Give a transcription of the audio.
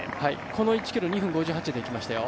この１ｋｍ２分５８でいきましたよ。